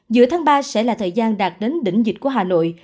giữa tháng ba sẽ là thời gian đạt đến đỉnh dịch của hà nội